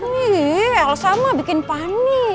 nih elsa mah bikin panik